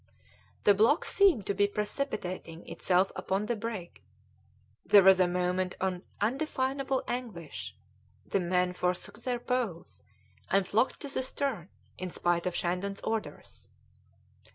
The block seemed to be precipitating itself upon the brig; there was a moment of undefinable anguish; the men forsook their poles and flocked to the stern in spite of Shandon's orders.